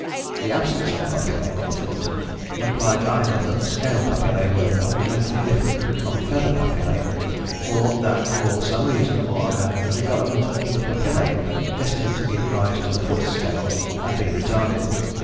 The absence of papillae on the foot implied either that the scale papillae were fundamentally different from feather papillae or that for some reason or other the development of the papillae destined to give rise to the foot scales had been retarded.